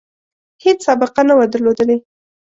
هیڅ سابقه نه وه درلودلې.